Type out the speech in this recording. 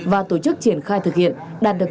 và tổ chức triển khai thực hiện đạt được